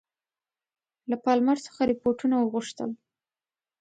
له پالمر څخه رپوټونه وغوښتل.